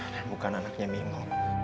dan bukan anaknya mimmo